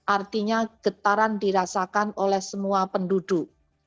artinya getaran dirasakan oleh semua penduduk